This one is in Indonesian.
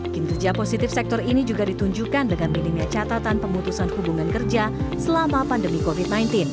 kinerja positif sektor ini juga ditunjukkan dengan minimnya catatan pemutusan hubungan kerja selama pandemi covid sembilan belas